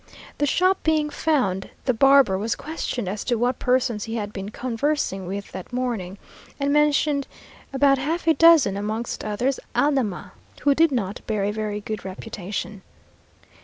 The shop being found, the barber was questioned as to what persons he had been conversing with that morning, and mentioned about half a dozen; amongst others Aldama, who did not bear a very good reputation.